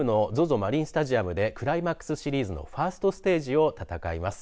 マリンスタジアムでクライマックスシリーズのファーストステージを戦います。